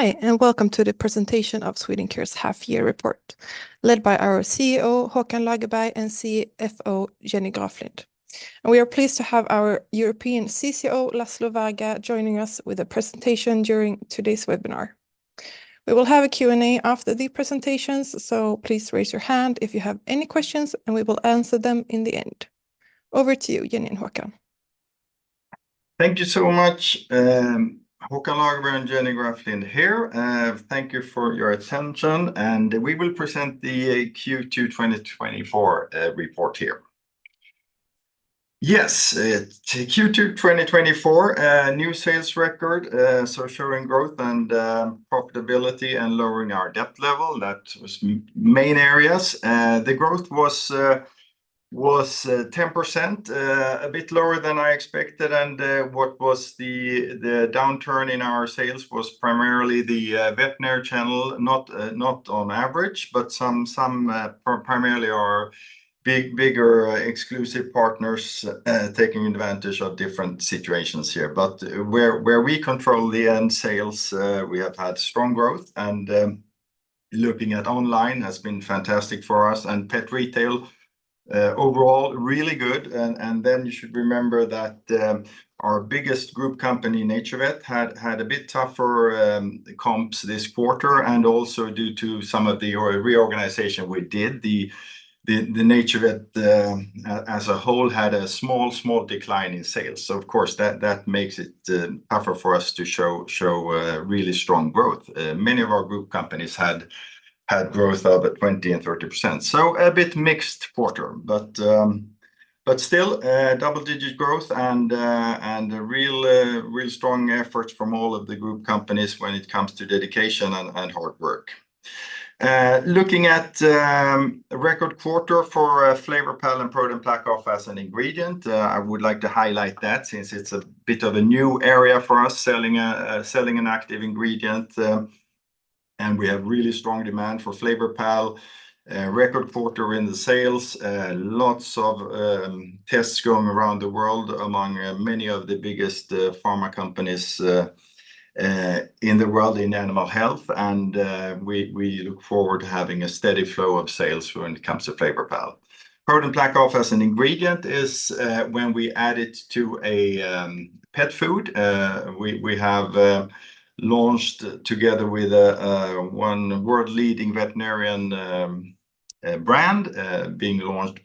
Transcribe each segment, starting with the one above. Hi, and welcome to the presentation of Swedencare's Half-Year Report, led by our CEO Håkan Lagerberg and CFO Jenny Graflind. We are pleased to have our European CCO, Laszlo Varga, joining us with a presentation during today's webinar. We will have a Q&A after the presentations, so please raise your hand if you have any questions, and we will answer them in the end. Over to you, Jenny and Håkan. Thank you so much. Håkan Lagerberg and Jenny Graflind here. Thank you for your attention, and we will present the Q2 2024 Report here. Yes, Q2 2024, new sales record, so showing growth and profitability and lowering our debt level. That was main areas. The growth was 10%, a bit lower than I expected. And what was the downturn in our sales was primarily the veterinary channel, not on average, but some primarily our bigger exclusive partners taking advantage of different situations here. But where we control the end sales, we have had strong growth, and looking at online has been fantastic for us. And pet retail overall, really good. And then you should remember that our biggest group company, NaturVet, had a bit tougher comps this quarter, and also due to some of the reorganization we did, the NaturVet as a whole had a small, small decline in sales. So of course, that makes it tougher for us to show really strong growth. Many of our group companies had growth of 20% and 30%. So a bit mixed quarter, but still double-digit growth and real, real strong efforts from all of the group companies when it comes to dedication and hard work. Looking at record quarter for FlavorPal and ProDen PlaqueOff as an ingredient, I would like to highlight that since it's a bit of a new area for us, selling an active ingredient. And we have really strong demand for FlavorPal. Record quarter in the sales, lots of tests going around the world among many of the biggest pharma companies in the world in animal health. And we look forward to having a steady flow of sales when it comes to FlavorPal. ProDen PlaqueOff as an ingredient is when we add it to a pet food. We have launched together with one world-leading veterinarian brand, being launched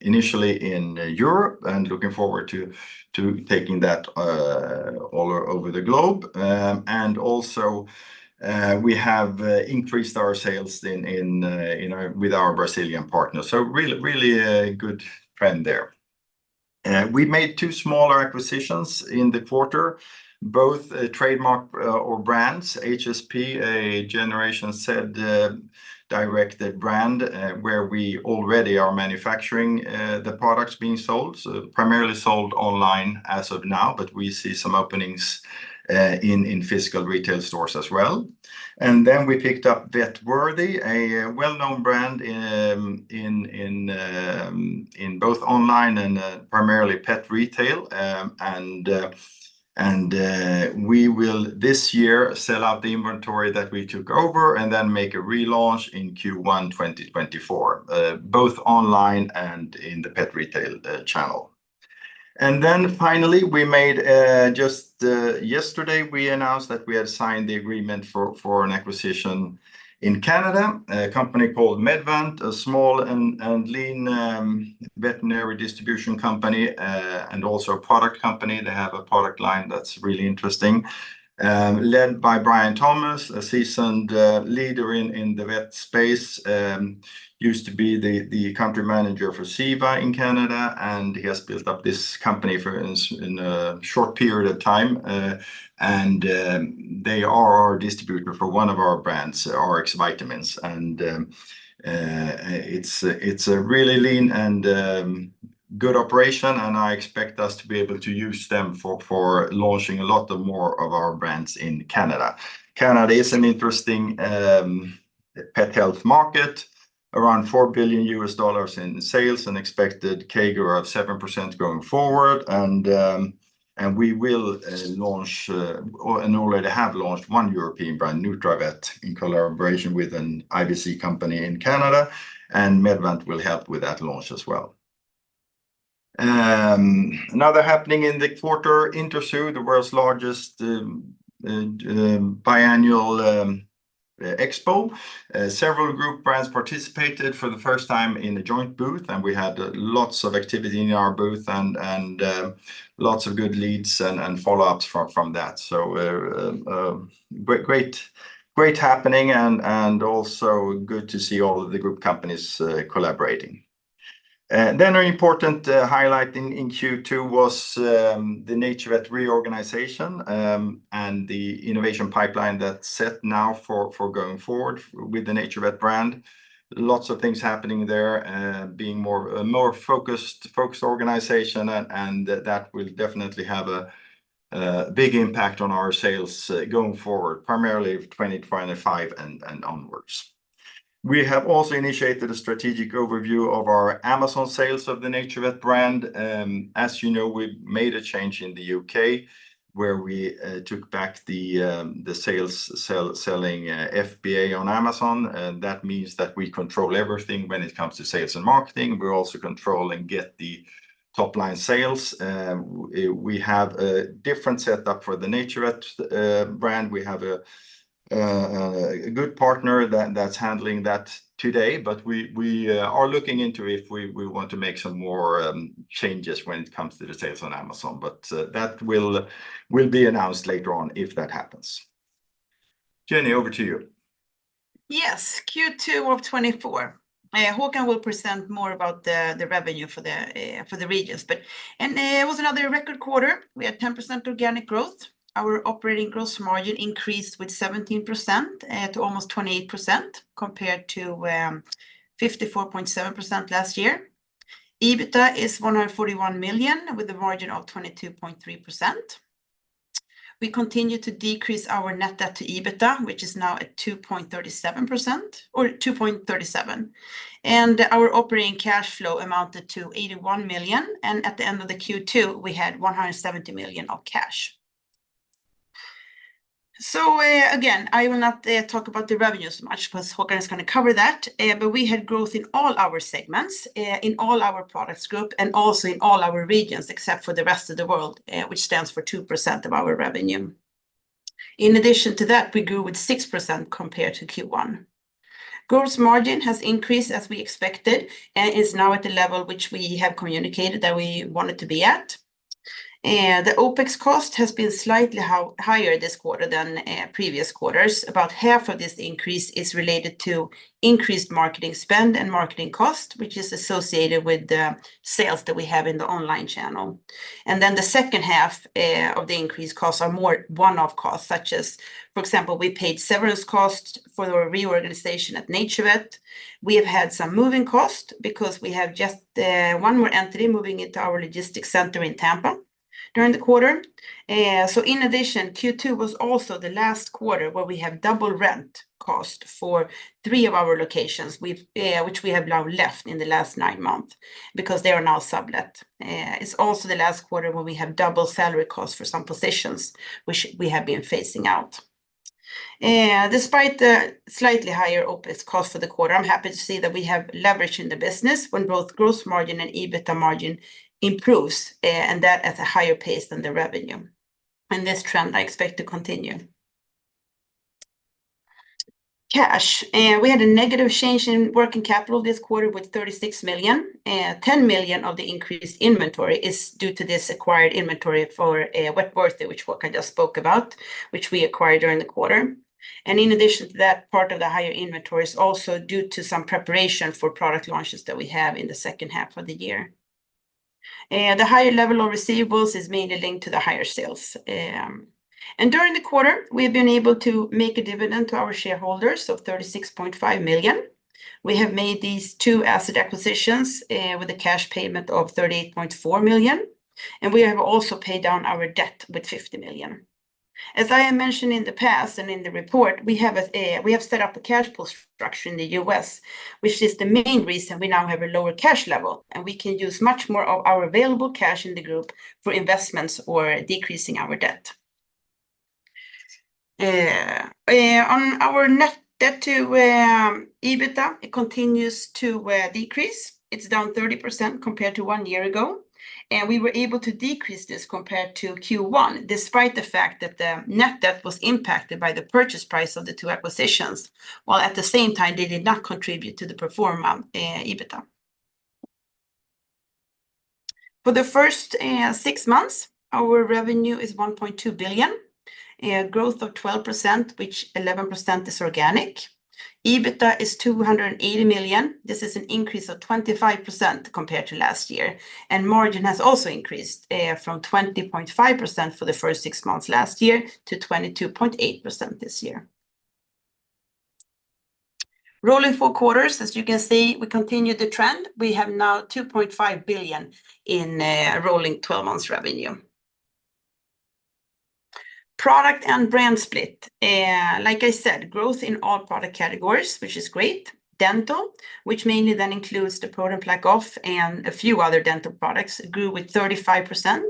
initially in Europe and looking forward to taking that all over the globe. And also we have increased our sales with our Brazilian partners. So really a good trend there. We made two smaller acquisitions in the quarter, both trademark or brands, HSP, a Generation Z directed brand where we already are manufacturing the products being sold, so primarily sold online as of now, but we see some openings in physical retail stores as well. And then we picked up Vet Worthy, a well-known brand in both online and primarily pet retail. And we will this year sell out the inventory that we took over and then make a relaunch in Q1 2024, both online and in the pet retail channel. Then finally, just yesterday, we announced that we had signed the agreement for an acquisition in Canada, a company called MedVant, a small and lean veterinary distribution company and also a product company. They have a product line that's really interesting, led by Brian Thomas, a seasoned leader in the vet space, used to be the country manager for Ceva in Canada, and he has built up this company for a short period of time. They are our distributor for one of our brands, Rx Vitamins. It's a really lean and good operation, and I expect us to be able to use them for launching a lot more of our brands in Canada. Canada is an interesting pet health market, around $4 billion in sales and expected CAGR of seven percent going forward. And we will launch and already have launched one European brand, nutravet, in collaboration with an IVC company in Canada, and MedVant will help with that launch as well. Another happening in the quarter, Interzoo, the world's largest biannual expo. Several group brands participated for the first time in a joint booth, and we had lots of activity in our booth and lots of good leads and follow-ups from that. So great happening and also good to see all of the group companies collaborating. Then an important highlight in Q2 was the NaturVet reorganization and the innovation pipeline that's set now for going forward with the NaturVet brand. Lots of things happening there, being a more focused organization, and that will definitely have a big impact on our sales going forward, primarily 2025 and onwards. We have also initiated a strategic overview of our Amazon sales of the NaturVet brand. As you know, we've made a change in the U.K. where we took back the sales selling FBA on Amazon. That means that we control everything when it comes to sales and marketing. We also control and get the top-line sales. We have a different setup for the NaturVet brand. We have a good partner that's handling that today, but we are looking into if we want to make some more changes when it comes to the sales on Amazon. But that will be announced later on if that happens. Jenny, over to you. Yes, Q2 of 2024. Håkan will present more about the revenue for the regions. It was another record quarter. We had 10% organic growth. Our operating gross margin increased with 17% to almost 28% compared to 54.7% last year. EBITDA is 141 million with a margin of 22.3%. We continue to decrease our net debt to EBITDA, which is now at 2.37% or 2.37. Our operating cash flow amounted to 81 million. At the end of the Q2, we had 170 million of cash. Again, I will not talk about the revenues much because Håkan is going to cover that, but we had growth in all our segments, in all our products group, and also in all our regions except for the rest of the world, which stands for two percent of our revenue. In addition to that, we grew with six percent compared to Q1. Gross margin has increased as we expected and is now at the level which we have communicated that we wanted to be at. The OpEx cost has been slightly higher this quarter than previous quarters. About half of this increase is related to increased marketing spend and marketing cost, which is associated with the sales that we have in the online channel. Then the second half of the increased costs are more one-off costs, such as, for example, we paid severance costs for the reorganization at NaturVet. We have had some moving costs because we have just one more entity moving into our logistics center in Tampa during the quarter. In addition, Q2 was also the last quarter where we have double rent costs for three of our locations, which we have now left in the last nine months because they are now sublet. It's also the last quarter where we have double salary costs for some positions, which we have been phasing out. Despite the slightly higher OpEx cost for the quarter, I'm happy to see that we have leverage in the business when both gross margin and EBITDA margin improves, and that at a higher pace than the revenue. And this trend I expect to continue. Cash. We had a negative change in working capital this quarter with 36 million. 10 million of the increased inventory is due to this acquired inventory for Vet Worthy, which Håkan just spoke about, which we acquired during the quarter. And in addition to that, part of the higher inventory is also due to some preparation for product launches that we have in the second half of the year. The higher level of receivables is mainly linked to the higher sales. During the quarter, we have been able to make a dividend to our shareholders of 36.5 million. We have made these two asset acquisitions with a cash payment of 38.4 million. We have also paid down our debt with 50 million. As I have mentioned in the past and in the report, we have set up a cash pool structure in the U.S., which is the main reason we now have a lower cash level, and we can use much more of our available cash in the group for investments or decreasing our debt. On our net debt to EBITDA, it continues to decrease. It's down 30% compared to one year ago. And we were able to decrease this compared to Q1, despite the fact that the net debt was impacted by the purchase price of the two acquisitions, while at the same time, they did not contribute to the pro forma EBITDA. For the first six months, our revenue is 1.2 billion, growth of 12%, which 11% is organic. EBITDA is 280 million. This is an increase of 25% compared to last year. And margin has also increased from 20.5% for the first six months last year to 22.8% this year. Rolling four quarters, as you can see, we continue the trend. We have now 2.5 billion in rolling 12-month revenue. Product and brand split. Like I said, growth in all product categories, which is great. Dental, which mainly then includes the ProDen PlaqueOff and a few other dental products, grew with 35%.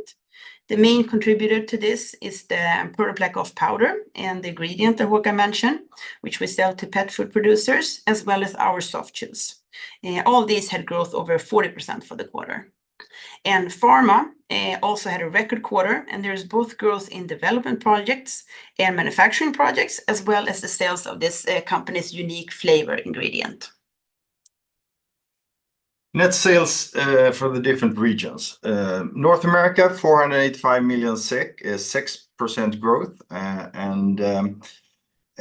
The main contributor to this is the ProDen PlaqueOff Powder and the ingredient that Håkan mentioned, which we sell to pet food producers as well as our soft chews. All these had growth over 40% for the quarter. Pharma also had a record quarter, and there's both growth in development projects and manufacturing projects, as well as the sales of this company's unique flavor ingredient. Net sales for the different regions. North America, 485 million SEK, six percent growth, and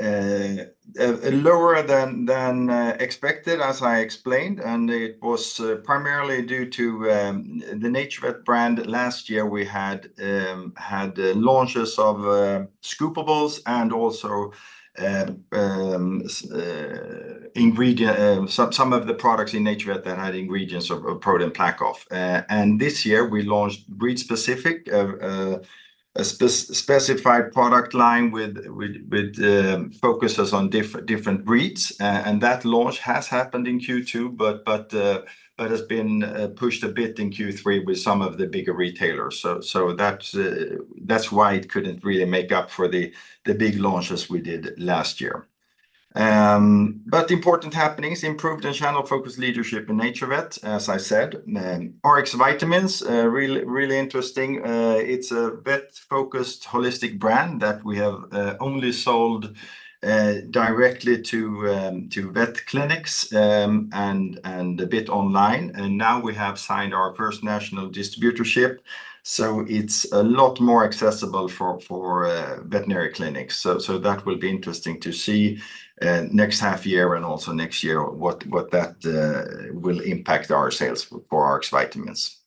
lower than expected, as I explained. It was primarily due to the NaturVet brand. Last year, we had launches of Scoopables and also some of the products in NaturVet that had ingredients of ProDen PlaqueOff. This year, we launched Breed Specific, a specified product line with focuses on different breeds. That launch has happened in Q2, but has been pushed a bit in Q3 with some of the bigger retailers. So that's why it couldn't really make up for the big launches we did last year. Important happenings, improved and channel-focused leadership in NaturVet, as I said. Rx Vitamins, really interesting. It's a vet-focused holistic brand that we have only sold directly to vet clinics and a bit online. Now we have signed our first national distributorship. So it's a lot more accessible for veterinary clinics. So that will be interesting to see next half year and also next year what that will impact our sales for Rx Vitamins.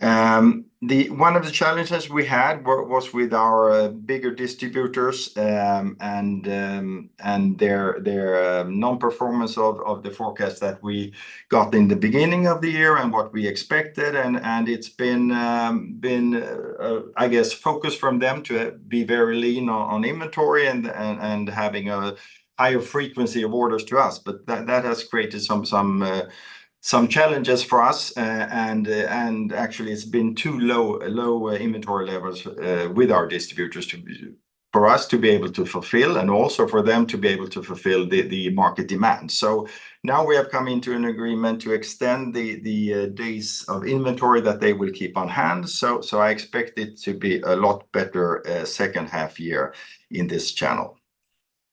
One of the challenges we had was with our bigger distributors and their non-performance of the forecast that we got in the beginning of the year and what we expected. And it's been, I guess, focused from them to be very lean on inventory and having a higher frequency of orders to us. But that has created some challenges for us. And actually, it's been too low inventory levels with our distributors for us to be able to fulfill and also for them to be able to fulfill the market demand. So now we have come into an agreement to extend the days of inventory that they will keep on hand. So I expect it to be a lot better second half year in this channel.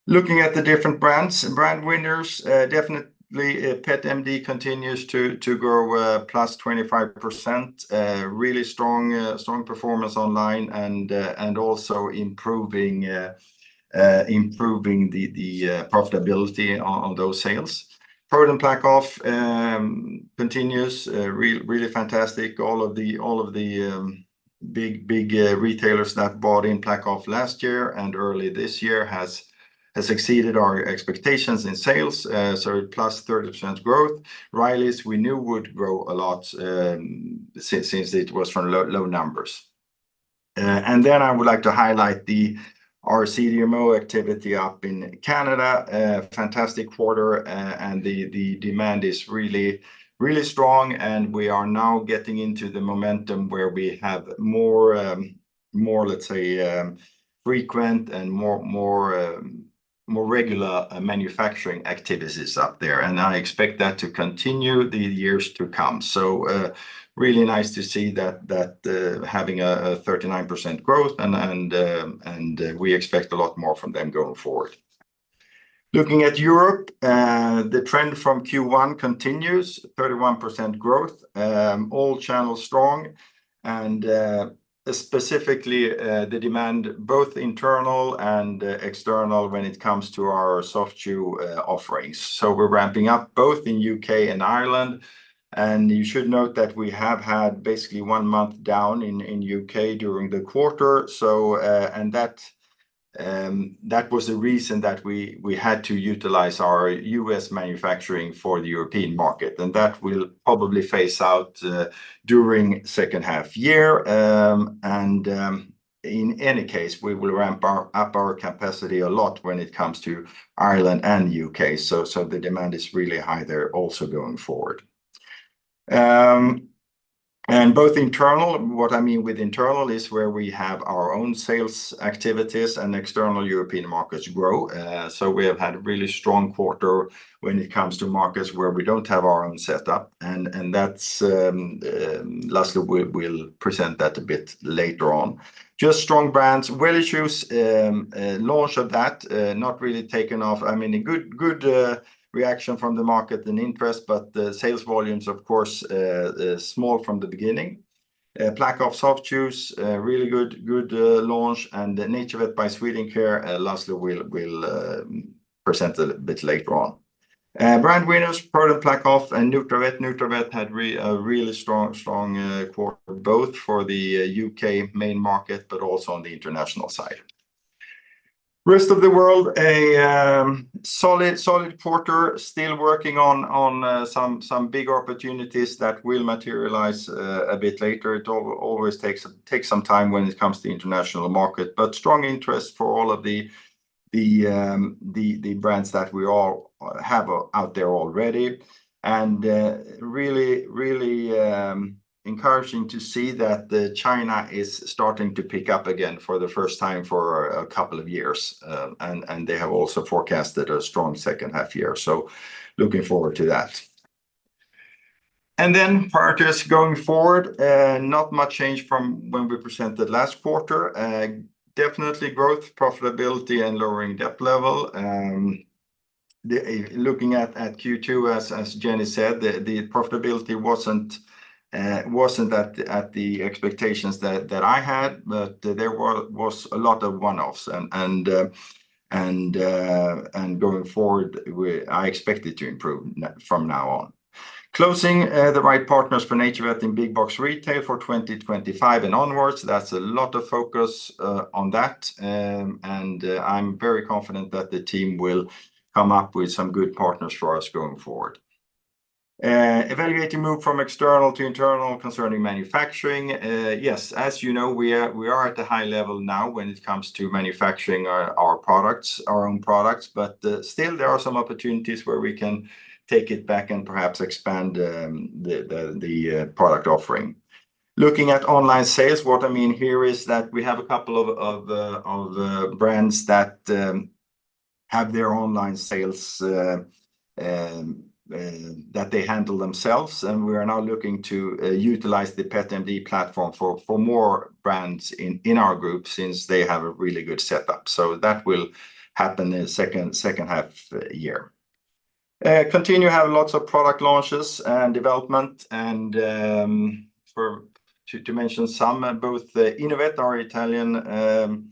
Looking at the different brands and brand winners, definitely Pet MD continues to grow +25%, really strong performance online and also improving the profitability on those sales. ProDen PlaqueOff continues, really fantastic. All of the big retailers that bought in ProDen PlaqueOff last year and early this year has exceeded our expectations in sales. So +30% growth. Riley's, we knew would grow a lot since it was from low numbers. And then I would like to highlight the, our CDMO activity up in Canada. Fantastic quarter, and the demand is really strong. And we are now getting into the momentum where we have more, let's say, frequent and more regular manufacturing activities up there. And I expect that to continue the years to come. So really nice to see that having a 39% growth, and we expect a lot more from them going forward. Looking at Europe, the trend from Q1 continues, 31% growth, all channels strong, and specifically the demand, both internal and external when it comes to our soft chew offerings. So we're ramping up both in U.K. and Ireland. And you should note that we have had basically one month down in U.K. during the quarter. And that was the reason that we had to utilize our U.S. manufacturing for the European market. And that will probably phase out during second half year. And in any case, we will ramp up our capacity a lot when it comes to Ireland and U.K. So the demand is really high there also going forward. Both internal, what I mean with internal is where we have our own sales activities and external European markets grow. So we have had a really strong quarter when it comes to markets where we don't have our own setup. And lastly, we'll present that a bit later on. Just strong brands, WelliChews, launch of that, not really taken off. I mean, a good reaction from the market and interest, but sales volumes, of course, small from the beginning. PlaqueOff Soft Chews, really good launch. And NaturVet by Swedencare, lastly, we'll present a bit later on. Brand winners, ProDen PlaqueOff and nutravet. nutravet had a really strong quarter, both for the U.K. main market, but also on the international side. Rest of the world, a solid quarter, still working on some big opportunities that will materialize a bit later. It always takes some time when it comes to international market, but strong interest for all of the brands that we all have out there already. Really encouraging to see that China is starting to pick up again for the first time for a couple of years. They have also forecasted a strong second half year. Looking forward to that. Then prior to us going forward, not much change from when we presented last quarter. Definitely growth, profitability, and lowering debt level. Looking at Q2, as Jenny said, the profitability wasn't at the expectations that I had, but there was a lot of one-offs. Going forward, I expect it to improve from now on. Closing the right partners for NaturVet in big box retail for 2025 and onwards. That's a lot of focus on that. And I'm very confident that the team will come up with some good partners for us going forward. Evaluating move from external to internal concerning manufacturing. Yes, as you know, we are at a high level now when it comes to manufacturing our products, our own products. But still, there are some opportunities where we can take it back and perhaps expand the product offering. Looking at online sales, what I mean here is that we have a couple of brands that have their online sales that they handle themselves. And we are now looking to utilize the Pet MD platform for more brands in our group since they have a really good setup. So that will happen in the second half year. Continue to have lots of product launches and development. To mention some, both Innovet, our Italian,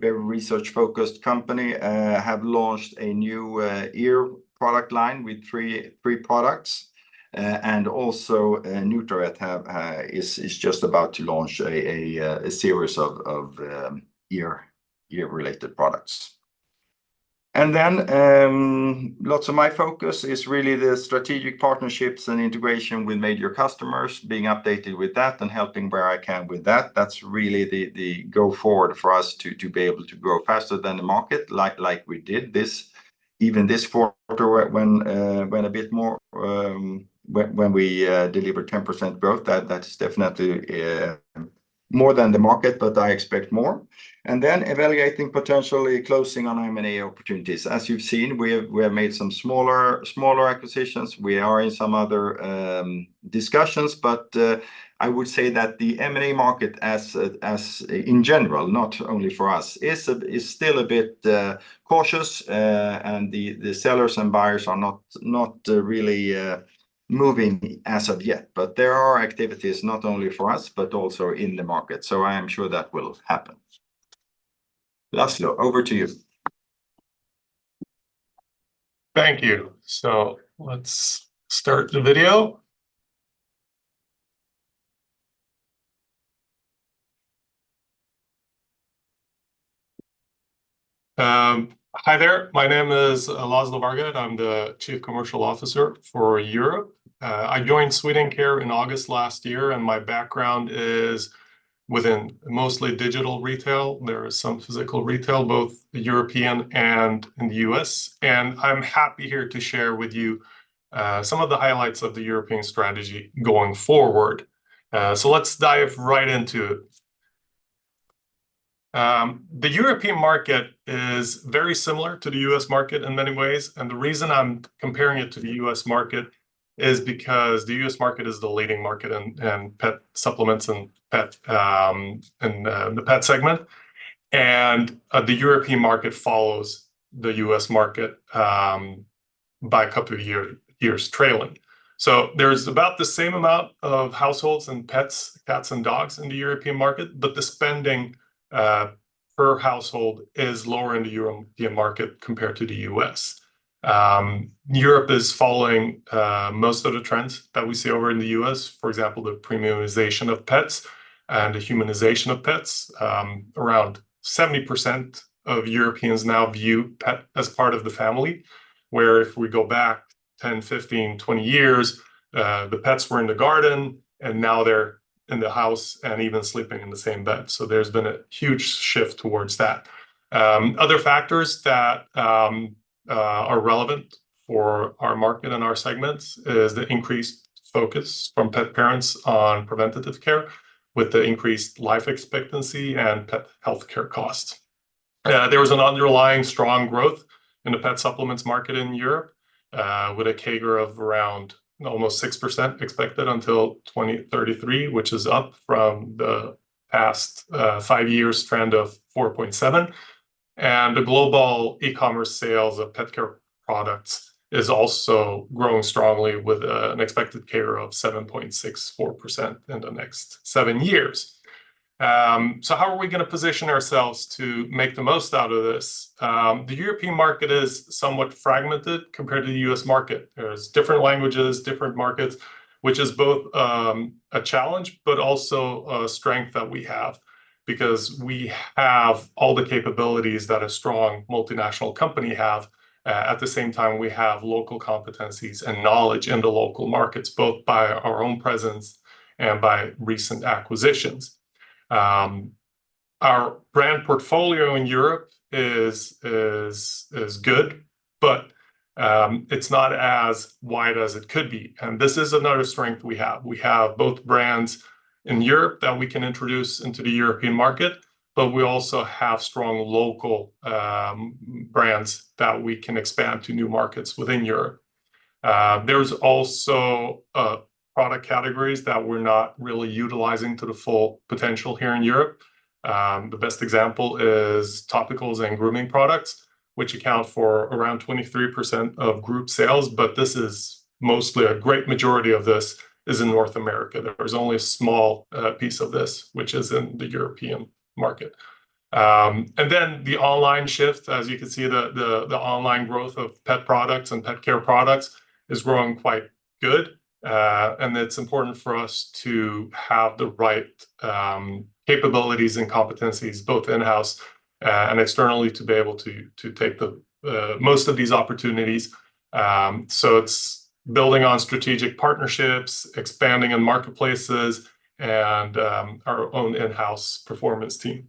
very research-focused company, have launched a new year product line with three products. Also, nutravet is just about to launch a series of year-related products. Then lots of my focus is really the strategic partnerships and integration with major customers, being updated with that and helping where I can with that. That's really the go-forward for us to be able to grow faster than the market, like we did even this quarter when a bit more when we delivered 10% growth. That is definitely more than the market, but I expect more. Then evaluating potentially closing on M&A opportunities. As you've seen, we have made some smaller acquisitions. We are in some other discussions, but I would say that the M&A market, in general, not only for us, is still a bit cautious. The sellers and buyers are not really moving as of yet. There are activities not only for us, but also in the market. I am sure that will happen. Laszlo, over to you. Thank you. So let's start the video. Hi there. My name is Laszlo Varga and I'm the Chief Commercial Officer for Europe. I joined Swedencare in August last year, and my background is within mostly digital retail. There is some physical retail, both European and in the U.S. And I'm happy here to share with you some of the highlights of the European strategy going forward. So let's dive right into it. The European market is very similar to the U.S. market in many ways. And the reason I'm comparing it to the U.S. market is because the U.S. market is the leading market in pet supplements and the pet segment. And the European market follows the U.S. market by a couple of years trailing. So there's about the same amount of households and pets, cats and dogs in the European market, but the spending per household is lower in the European market compared to the U.S.. Europe is following most of the trends that we see over in the U.S.. For example, the premiumization of pets and the humanization of pets. Around 70% of Europeans now view pets as part of the family, where if we go back 10, 15, 20 years, the pets were in the garden, and now they're in the house and even sleeping in the same bed. So there's been a huge shift towards that. Other factors that are relevant for our market and our segments is the increased focus from pet parents on preventative care with the increased life expectancy and pet healthcare costs. There was an underlying strong growth in the pet supplements market in Europe with a CAGR of around almost six percent expected until 2033, which is up from the past five years' trend of 4.7%. The global e-commerce sales of pet care products is also growing strongly with an expected CAGR of 7.64% in the next seven years. So how are we going to position ourselves to make the most out of this? The European market is somewhat fragmented compared to the U.S. market. There's different languages, different markets, which is both a challenge, but also a strength that we have because we have all the capabilities that a strong multinational company has. At the same time, we have local competencies and knowledge in the local markets, both by our own presence and by recent acquisitions. Our brand portfolio in Europe is good, but it's not as wide as it could be. This is another strength we have. We have both brands in Europe that we can introduce into the European market, but we also have strong local brands that we can expand to new markets within Europe. There's also product categories that we're not really utilizing to the full potential here in Europe. The best example is topicals and grooming products, which account for around 23% of group sales, but this is mostly a great majority of this is in North America. There is only a small piece of this, which is in the European market. Then the online shift, as you can see, the online growth of pet products and pet care products is growing quite good. It's important for us to have the right capabilities and competencies, both in-house and externally, to be able to take most of these opportunities. So it's building on strategic partnerships, expanding in marketplaces, and our own in-house performance team.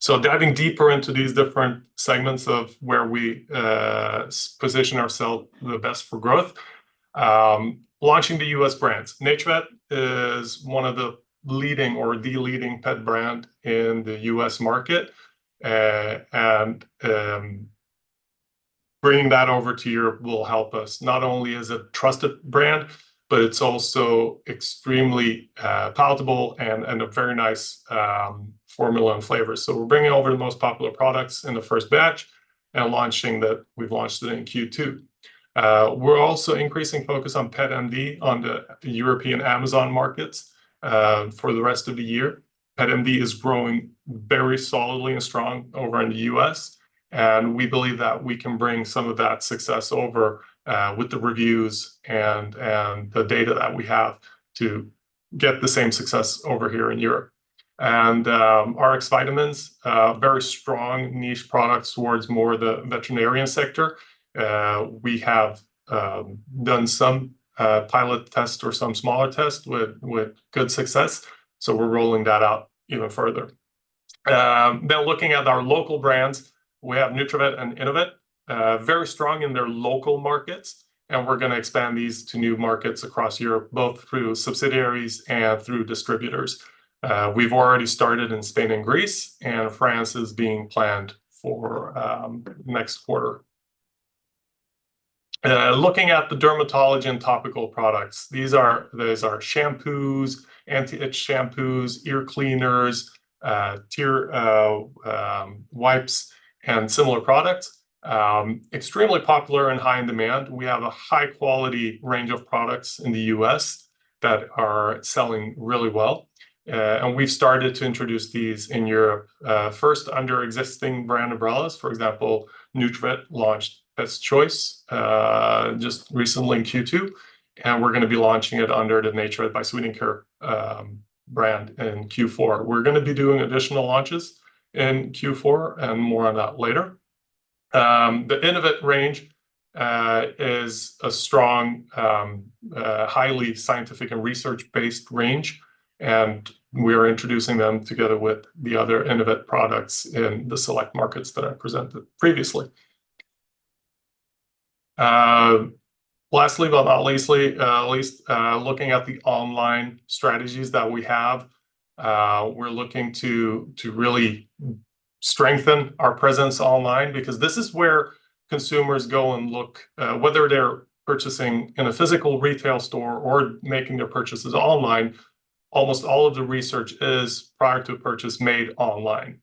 So diving deeper into these different segments of where we position ourselves the best for growth, launching the U.S. brands. NaturVet is one of the leading or the leading pet brand in the U.S. market. And bringing that over to Europe will help us. Not only is it a trusted brand, but it's also extremely palatable and a very nice formula and flavor. So we're bringing over the most popular products in the first batch and launching that we've launched in Q2. We're also increasing focus on Pet MD on the European Amazon markets for the rest of the year. Pet MD is growing very solidly and strong over in the U.S. We believe that we can bring some of that success over with the reviews and the data that we have to get the same success over here in Europe. Rx Vitamins, very strong niche products towards more of the veterinary sector. We have done some pilot tests or some smaller tests with good success. We're rolling that out even further. Now looking at our local brands, we have nutravet and Innovet, very strong in their local markets. We're going to expand these to new markets across Europe, both through subsidiaries and through distributors. We've already started in Spain and Greece, and France is being planned for next quarter. Looking at the dermatology and topical products, these are shampoos, anti-itch shampoos, ear cleaners, tear wipes, and similar products. Extremely popular and high in demand. We have a high-quality range of products in the U.S. that are selling really well. We've started to introduce these in Europe, first under existing brand umbrellas. For example, nutravet launched Pets Choice just recently in Q2. We're going to be launching it under the NaturVet by Swedencare brand in Q4. We're going to be doing additional launches in Q4 and more on that later. The Innovet range is a strong, highly scientific and research-based range. We are introducing them together with the other Innovet products in the select markets that I presented previously. Lastly, but not least, looking at the online strategies that we have, we're looking to really strengthen our presence online because this is where consumers go and look, whether they're purchasing in a physical retail store or making their purchases online, almost all of the research is prior to purchase made online.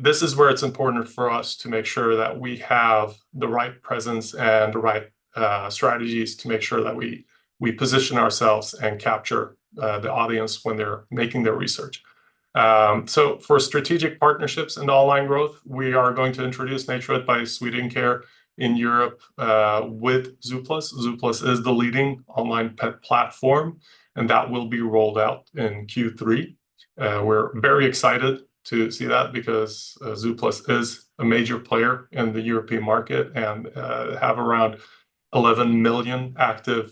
This is where it's important for us to make sure that we have the right presence and the right strategies to make sure that we position ourselves and capture the audience when they're making their research. So for strategic partnerships and online growth, we are going to introduce NaturVet by Swedencare in Europe with zooplus. zooplus is the leading online pet platform, and that will be rolled out in Q3. We're very excited to see that because zooplus is a major player in the European market and have around 11 million active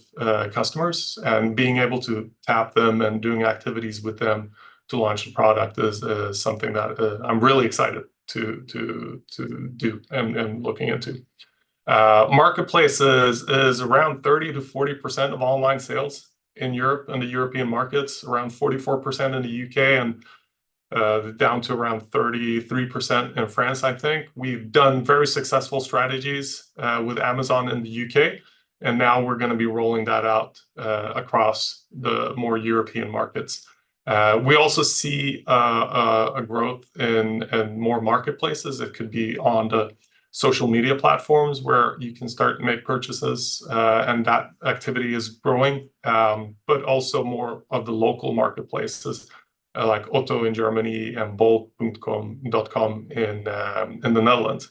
customers. And being able to tap them and doing activities with them to launch a product is something that I'm really excited to do and looking into. Marketplace is around 30%-40% of online sales in Europe and the European markets, around 44% in the U.K. and down to around 33% in France, I think. We've done very successful strategies with Amazon in the U.K.. Now we're going to be rolling that out across the more European markets. We also see a growth in more marketplaces. It could be on the social media platforms where you can start to make purchases. That activity is growing, but also more of the local marketplaces like OTTO in Germany and bol.com in the Netherlands.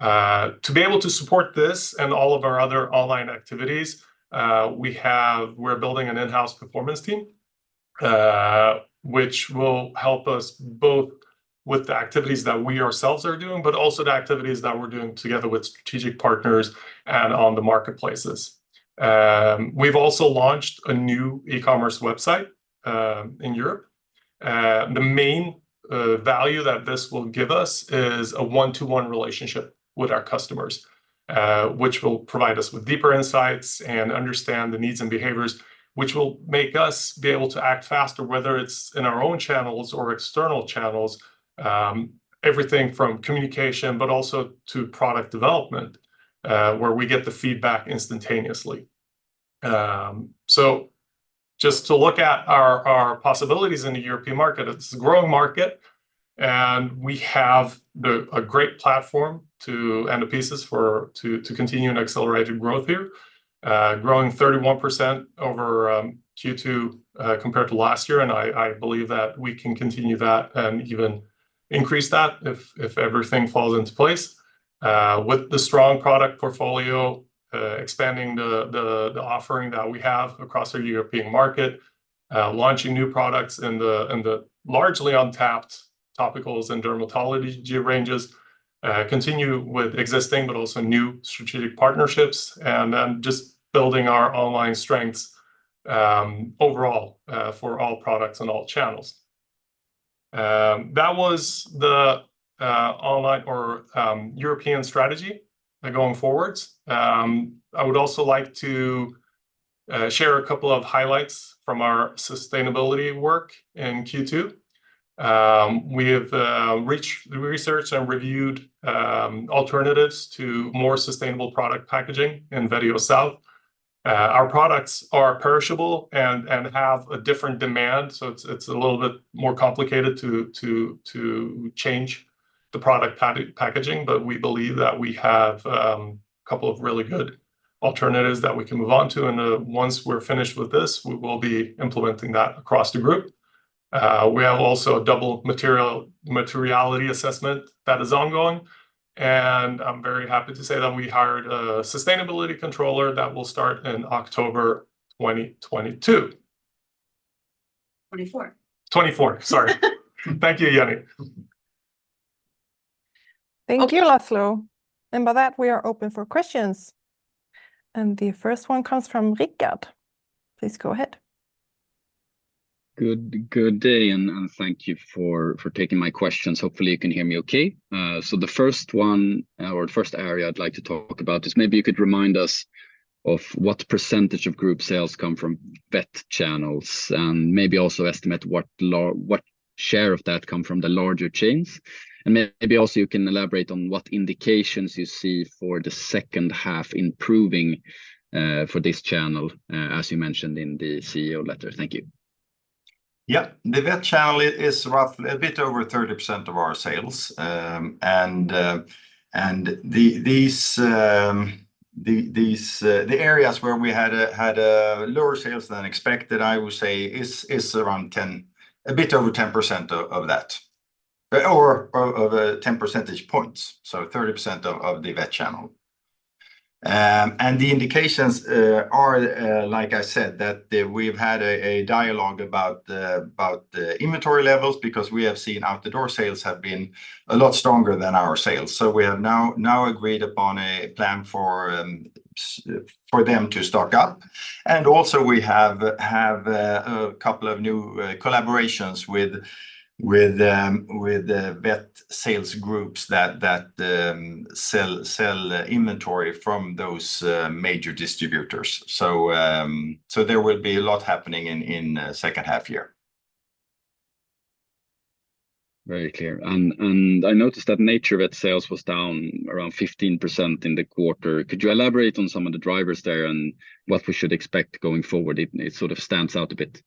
To be able to support this and all of our other online activities, we're building an in-house performance team, which will help us both with the activities that we ourselves are doing, but also the activities that we're doing together with strategic partners and on the marketplaces. We've also launched a new e-commerce website in Europe. The main value that this will give us is a one-to-one relationship with our customers, which will provide us with deeper insights and understand the needs and behaviors, which will make us be able to act faster, whether it's in our own channels or external channels, everything from communication, but also to product development, where we get the feedback instantaneously. So just to look at our possibilities in the European market, it's a growing market. And we have a great platform to integrate the pieces in order to continue an accelerated growth here, growing 31% over Q2 compared to last year. I believe that we can continue that and even increase that if everything falls into place with the strong product portfolio, expanding the offering that we have across our European market, launching new products in the largely untapped topicals and dermatology ranges, continue with existing, but also new strategic partnerships, and then just building our online strengths overall for all products and all channels. That was the online or European strategy going forwards. I would also like to share a couple of highlights from our sustainability work in Q2. We have researched and reviewed alternatives to more sustainable product packaging in Vetio South. Our products are perishable and have a different demand. So it's a little bit more complicated to change the product packaging, but we believe that we have a couple of really good alternatives that we can move on to. Once we're finished with this, we will be implementing that across the group. We have also a double materiality assessment that is ongoing. And I'm very happy to say that we hired a sustainability controller that will start in October 2022. 2024. 2024, sorry. Thank you, Jenny. Thank you, Laszlo. And by that, we are open for questions. And the first one comes from Rikard. Please go ahead. Good day and thank you for taking my questions. Hopefully, you can hear me okay. So the first one or the first area I'd like to talk about is maybe you could remind us of what percentage of group sales come from vet channels and maybe also estimate what share of that come from the larger chains. Maybe also you can elaborate on what indications you see for the second half improving for this channel, as you mentioned in the CEO letter. Thank you. Yeah, the vet channel is roughly a bit over 30% of our sales. The areas where we had lower sales than expected, I would say, are around 10, a bit over 10% of that or of 10 percentage points. So 30% of the vet channel. The indications are, like I said, that we've had a dialogue about the inventory levels because we have seen out-the-door sales have been a lot stronger than our sales. So we have now agreed upon a plan for them to stock up. Also we have a couple of new collaborations with vet sales groups that sell inventory from those major distributors. So there will be a lot happening in the second half year. Very clear. And I noticed that NaturVet sales was down around 15% in the quarter. Could you elaborate on some of the drivers there and what we should expect going forward? It sort of stands out a bit.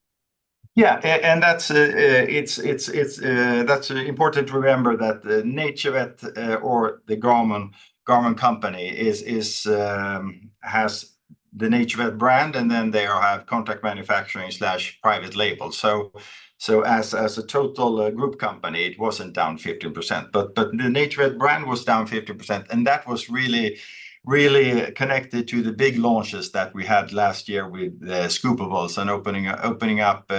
Yeah, and that's important to remember that NaturVet or the Garmon company has the NaturVet brand, and then they have contract manufacturing slash private label. So as a total group company, it wasn't down 15%. But the NaturVet brand was down 15%. And that was really connected to the big launches that we had last year with Scoopables and opening up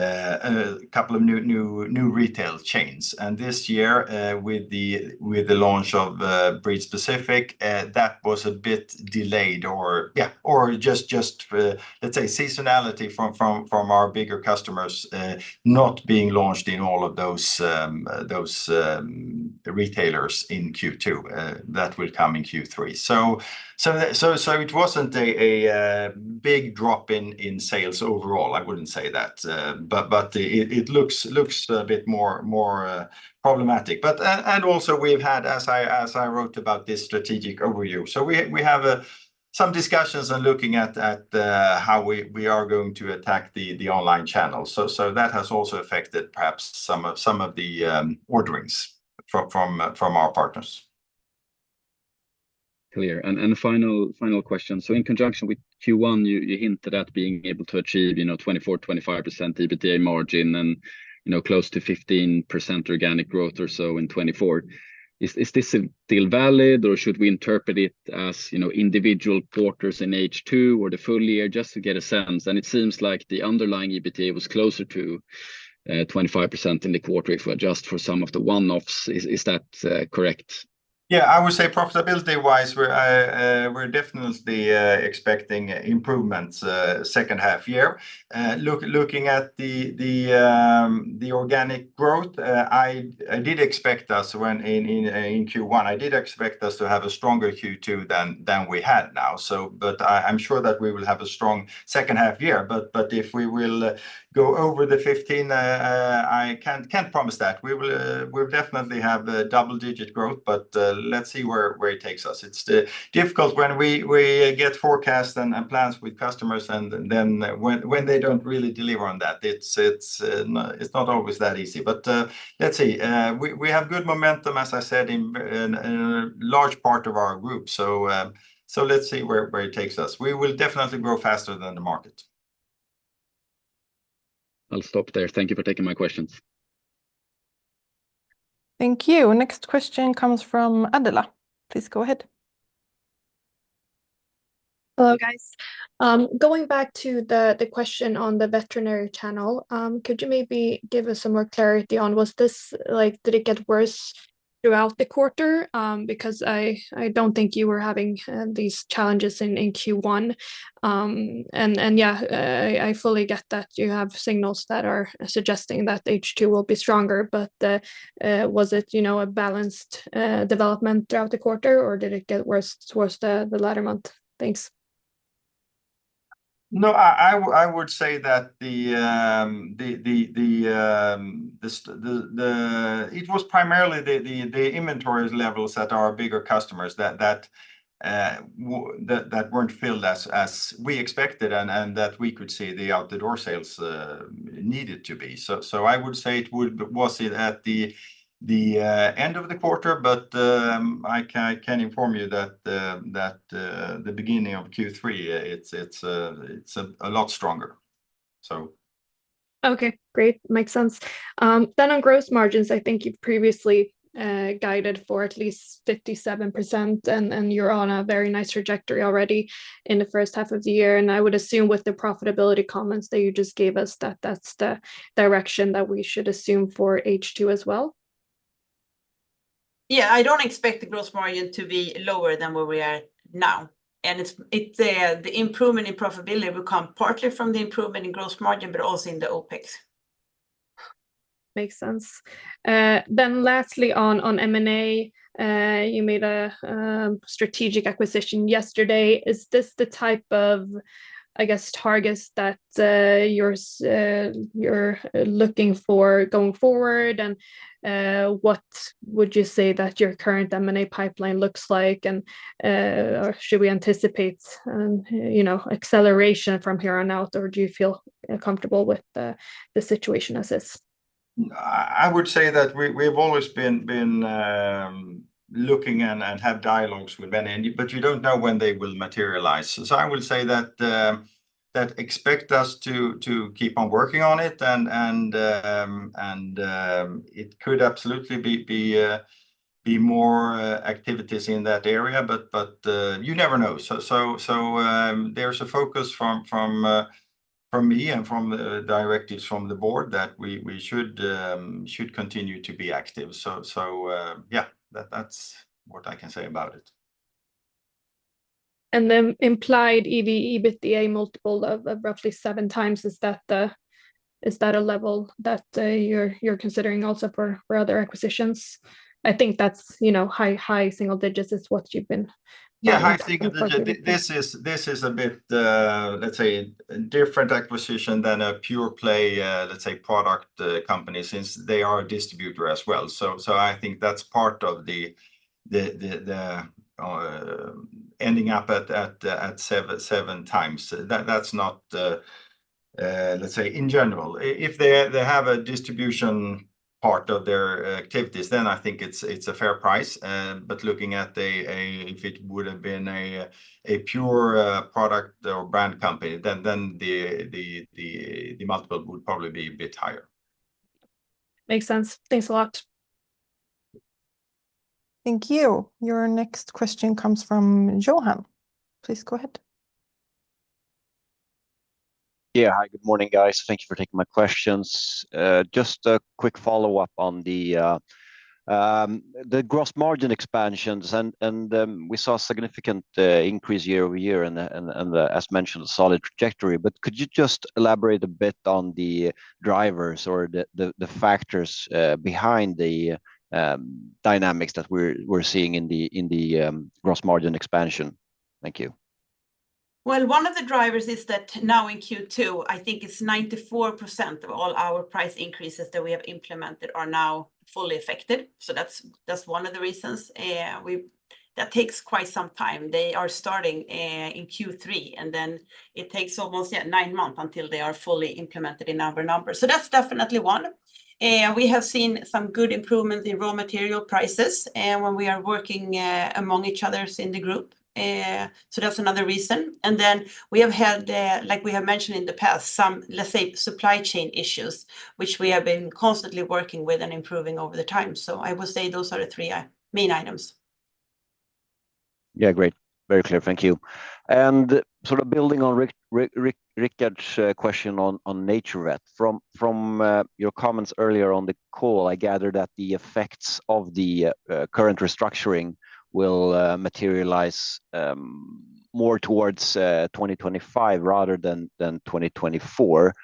a couple of new retail chains. This year with the launch of Breed Specific, that was a bit delayed or just, let's say, seasonality from our bigger customers not being launched in all of those retailers in Q2 that will come in Q3. So it wasn't a big drop in sales overall. I wouldn't say that. But it looks a bit more problematic. And also we've had, as I wrote about this strategic overview, so we have some discussions on looking at how we are going to attack the online channels. So that has also affected perhaps some of the orderings from our partners. Clear. And final question. So in conjunction with Q1, you hinted at being able to achieve 24%-25% EBITDA margin and close to 15% organic growth or so in 2024. Is this still valid or should we interpret it as individual quarters in H2 or the full year just to get a sense? And it seems like the underlying EBITDA was closer to 25% in the quarter if we adjust for some of the one-offs. Is that correct? Yeah, I would say profitability-wise, we're definitely expecting improvements second half year. Looking at the organic growth, I did expect us when in Q1, I did expect us to have a stronger Q2 than we had now. But I'm sure that we will have a strong second half year. But if we will go over the 15, I can't promise that. We will definitely have double-digit growth, but let's see where it takes us. It's difficult when we get forecasts and plans with customers and then when they don't really deliver on that. It's not always that easy. But let's see. We have good momentum, as I said, in a large part of our group. So let's see where it takes us. We will definitely grow faster than the market. I'll stop there. Thank you for taking my questions. Thank you. Next question comes from Adela. Please go ahead. Hello, guys. Going back to the question on the veterinary channel, could you maybe give us some more clarity on, did it get worse throughout the quarter? Because I don't think you were having these challenges in Q1. And yeah, I fully get that you have signals that are suggesting that H2 will be stronger. But was it a balanced development throughout the quarter or did it get worse towards the latter month? Thanks. No, I would say that it was primarily the inventory levels that our bigger customers that weren't filled as we expected and that we could see the out-the-door sales needed to be. So I would say it was at the end of the quarter, but I can inform you that the beginning of Q3, it's a lot stronger. So. Okay, great. Makes sense. Then on gross margins, I think you've previously guided for at least 57%, and you're on a very nice trajectory already in the first half of the year. And I would assume with the profitability comments that you just gave us, that that's the direction that we should assume for H2 as well. Yeah, I don't expect the gross margin to be lower than where we are now. The improvement in profitability will come partly from the improvement in gross margin, but also in the OpEx. Makes sense. Then lastly, on M&A, you made a strategic acquisition yesterday. Is this the type of, I guess, targets that you're looking for going forward? And what would you say that your current M&A pipeline looks like? And should we anticipate acceleration from here on out, or do you feel comfortable with the situation as is? I would say that we've always been looking and have dialogues with many. But you don't know when they will materialize. So I would say that expect us to keep on working on it. And it could absolutely be more activities in that area, but you never know. So there's a focus from me and from the directives from the board that we should continue to be active. So yeah, that's what I can say about it. And then implied EBITDA multiple of roughly 7x, is that a level that you're considering also for other acquisitions? I think that's high single digits is what you've been. Yeah. This is a bit, let's say, different acquisition than a pure play, let's say, product company since they are a distributor as well. So I think that's part of the ending up at 7x. That's not, let's say, in general. If they have a distribution part of their activities, then I think it's a fair price. But looking at if it would have been a pure product or brand company, then the multiple would probably be a bit higher. Makes sense. Thanks a lot. Thank you. Your next question comes from Johan. Please go ahead. Yeah, hi, good morning, guys. Thank you for taking my questions. Just a quick follow-up on the gross margin expansions. We saw a significant increase year-over-year and, as mentioned, a solid trajectory. Could you just elaborate a bit on the drivers or the factors behind the dynamics that we're seeing in the gross margin expansion? Thank you. Well, one of the drivers is that now in Q2, I think it's 94% of all our price increases that we have implemented are now fully affected. So that's one of the reasons. That takes quite some time. They are starting in Q3, and then it takes almost nine months until they are fully implemented in our numbers. So that's definitely one. We have seen some good improvements in raw material prices when we are working among each other in the group. So that's another reason. And then we have had, like we have mentioned in the past, some, let's say, supply chain issues, which we have been constantly working with and improving over the time. So I would say those are the three main items. Yeah, great. Very clear. Thank you. And sort of building on Rikard's question on NaturVet, from your comments earlier on the call, I gather that the effects of the current restructuring will materialize more towards 2025 rather than 2024.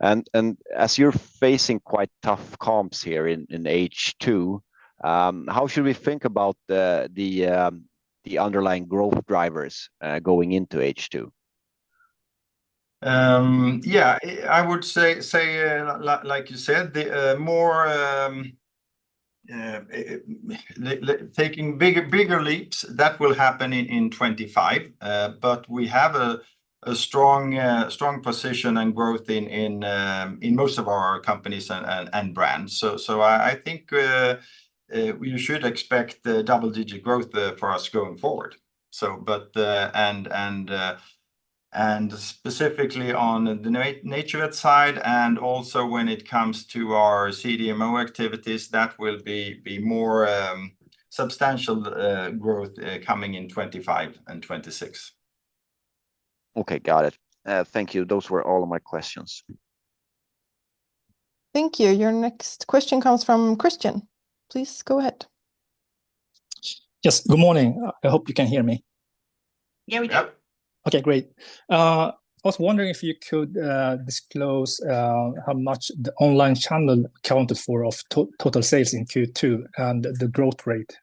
And as you're facing quite tough comps here in H2, how should we think about the underlying growth drivers going into H2? Yeah, I would say, like you said, taking bigger leaps, that will happen in 2025. But we have a strong position and growth in most of our companies and brands. So I think you should expect double-digit growth for us going forward. Specifically on the NaturVet side and also when it comes to our CDMO activities, that will be more substantial growth coming in 2025 and 2026. Okay, got it. Thank you. Those were all of my questions. Thank you. Your next question comes from Christian. Please go ahead. Yes, good morning. I hope you can hear me. Yeah, we can. Okay, great. I was wondering if you could disclose how much the online channel accounted for of total sales in Q2 and the growth rate.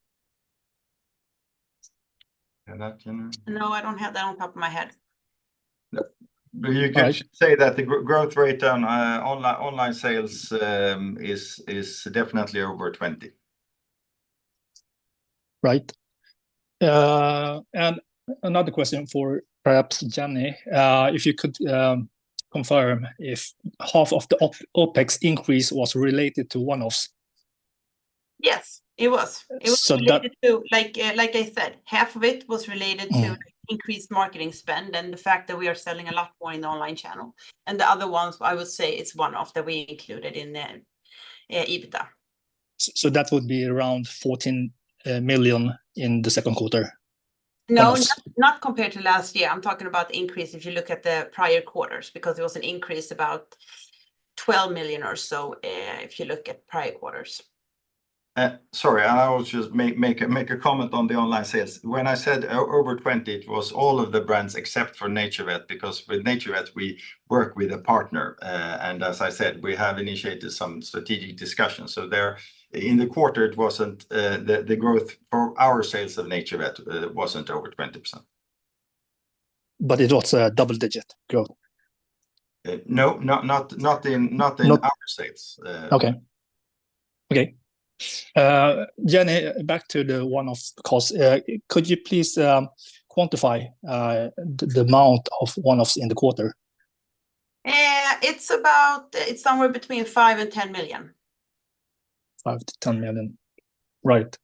No, I don't have that on top of my head. I should say that the growth rate on online sales is definitely over 20%. Right. And another question for perhaps Jenny, if you could confirm if half of the OpEx increase was related to one-offs. Yes, it was. It was related to, like I said, half of it was related to increased marketing spend and the fact that we are selling a lot more in the online channel. And the other ones, I would say it's one-off that we included in the EBITDA. So that would be around 14 million in the second quarter? No, not compared to last year. I'm talking about increase if you look at the prior quarters because there was an increase about 12 million or so if you look at prior quarters. Sorry, I was just making a comment on the online sales. When I said over 20%, it was all of the brands except for NaturVet because with NaturVet, we work with a partner. And as I said, we have initiated some strategic discussions. So in the quarter, the growth for our sales of NaturVet wasn't over 20%. But it was a double-digit growth? No, not in our sales. Okay. Jenny, back to the one-off cost. Could you please quantify the amount of one-offs in the quarter? It's somewhere between 5 million and 10 million. 5 million-10 million. Right.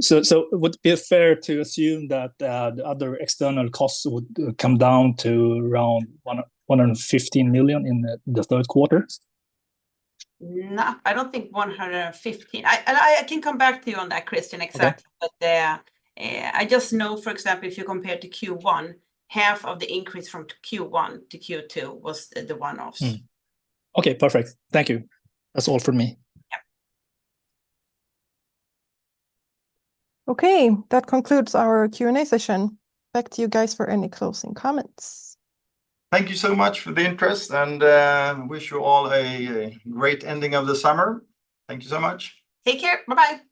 So would it be fair to assume that the other external costs would come down to around 115 million in the third quarter? No, I don't think 115. I can come back to you on that, Christian, exactly. But I just know, for example, if you compare to Q1, half of the increase from Q1-Q2 was the one-offs. Okay, perfect. Thank you. That's all for me. Okay, that concludes our Q&A session. Back to you guys for any closing comments. Thank you so much for the interest and wish you all a great ending of the summer. Thank you so much. Take care. Bye-bye.